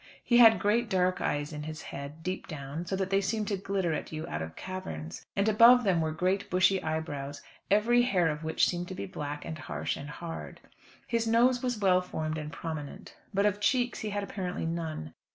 He had great dark eyes in his head, deep down, so that they seemed to glitter at you out of caverns. And above them were great, bushy eyebrows, every hair of which seemed to be black, and harsh, and hard. His nose was well formed and prominent; but of cheeks he had apparently none.